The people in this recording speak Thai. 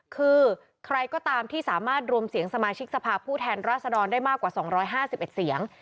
คือใครก็ตามที่สามารถรวมเสียงสมาชิกสภาพผู้แทนราษฎรได้มากกว่า๒๕๑เสียง